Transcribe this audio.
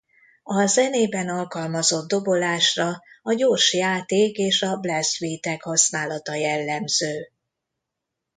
A zenében alkalmazott dobolásra a gyors játék és a blast beatek használata jellemző.